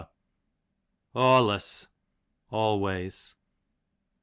Awlus, always.